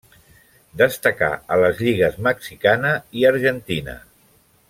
Destacà a les lligues mexicana i argentina.